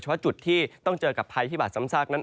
เพราะจุดที่ต้องเจอกับภัยพิบัตรซ้ำซากนั้น